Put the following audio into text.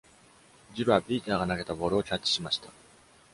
ジルはピーターが投げたボールをキャッチしました。